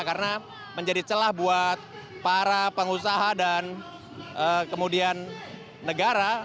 karena menjadi celah buat para pengusaha dan kemudian negara